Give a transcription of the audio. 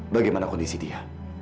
bagaimana kondisi dia